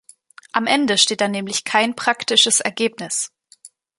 Am Ende steht da nämlich kein praktisches Ergebnis.